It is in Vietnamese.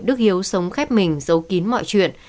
đức hiếu sống khép mình giấu kín mọi chuyện